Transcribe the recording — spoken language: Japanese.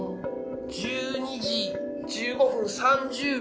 １２時１５分３０秒。